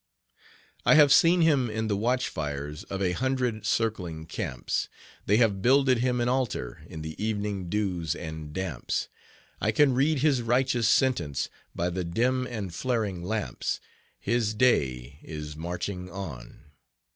"I have seen him in the watch fires of a hundred circling camps; They have builded him an altar in the evening dews and damps; I can read his righteous sentence by the dim and flaring lamps; His day is marching on.